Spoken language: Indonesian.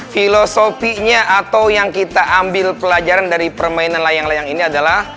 filosofinya atau yang kita ambil pelajaran dari permainan layang layang ini adalah